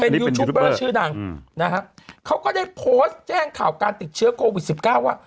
เป็นยูทูปเบอร์ชื่อนางนะครับเขาก็ได้โพสต์แจ้งข่าวการติดเชื้อโกวิด๑๙ว่า